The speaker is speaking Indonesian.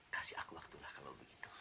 kasih aku waktulah kalau begitu